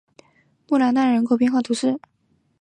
穆兰纳人口变化图示